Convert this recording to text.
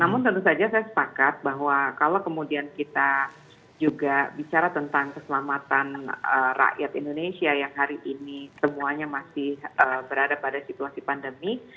namun tentu saja saya sepakat bahwa kalau kemudian kita juga bicara tentang keselamatan rakyat indonesia yang hari ini semuanya masih berada pada situasi pandemi